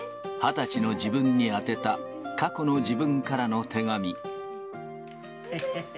２０歳の自分に宛てた過去の自分からの手紙。